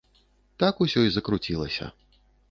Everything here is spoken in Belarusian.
Так усё і закруцілася.